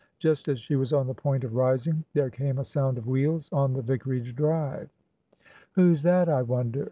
Just as she was on the point of rising, there came a sound of wheels on the vicarage drive. "Who's that, I wonder?"